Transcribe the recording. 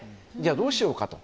どうしようかと。